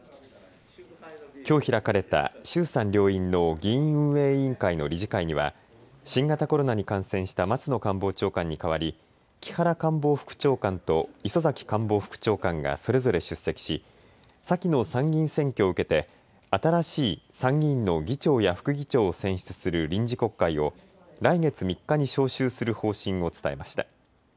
きょう開かれた衆参両院の議院運営委員会の理事会には新型コロナに感染した松野官房長官に代わり木原官房副長官と磯崎官房副長官がそれぞれ出席し先の参議院選挙を受けて新しい参議院の議長や副議長を選出する臨時国会を来月３日に召集する方針を伝えました。